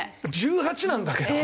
１８なんだけど。